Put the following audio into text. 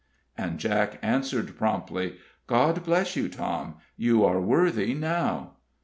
And Jack answered, promptly: "God bless you, Tom, you are worthy now!"